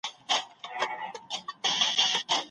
په ناول کې د رېدي او زلیخا مینه ډېره توده ده.